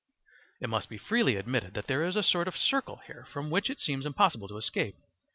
It must be freely admitted that there is a sort of circle here from which it seems impossible to escape.